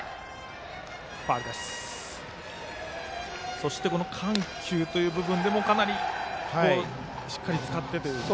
そして、緩急という部分でもかなりしっかり使ってという。